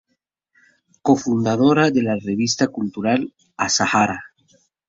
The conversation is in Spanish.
Cofundadora de la revista cultural Azahara.